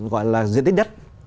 gọi là diện tích đất